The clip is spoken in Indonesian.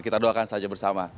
kita doakan saja bersama